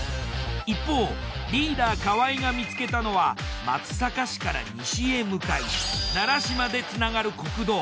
一方リーダー河合が見つけたのは松阪市から西へ向かい奈良市までつながる国道。